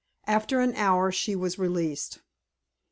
After an hour she was released.